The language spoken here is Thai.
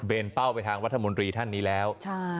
เบนเป้าไปทางวัฒนธรรมดีท่านนี้แล้วค่ะ